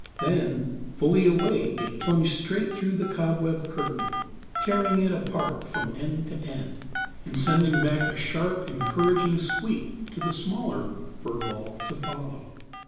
Then, fully awake, it plunged straight through the cobweb curtain, tearing it apart from end to end, and sending back a sharp, encouraging squeak to the smaller fur ball to follow.